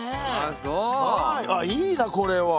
あいいなこれは。